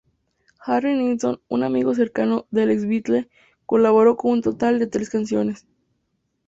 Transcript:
Harry Nilsson, un amigo cercano del ex-Beatle, colaboró con un total de tres canciones.